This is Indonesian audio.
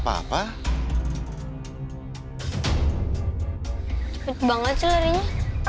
cepet banget sih larinya